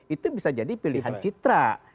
itu bisa jadi pilihan citra